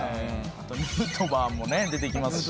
あとヌートバーも出てきますし。